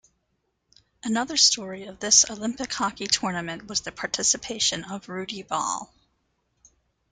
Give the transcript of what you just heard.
Another story of this Olympic hockey tournament was the participation of Rudi Ball.